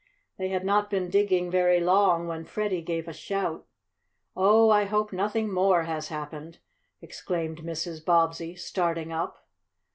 They had not been digging very long when Freddie gave a shout. "Oh, I hope nothing more has happened!" exclaimed Mrs. Bobbsey, starting up.